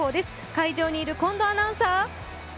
会場にいる近藤アナウンサー。